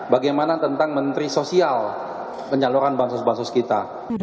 bagaimana tentang menteri sosial penyaluran bansus bansus kita